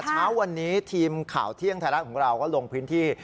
เช้าวันนี้ทีมข่าวเที่ยงไทยรัฐของเราก็ลงพื้นที่